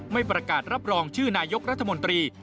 ไม่ประกาศรับรองชื่อนายกรัฐมนตรี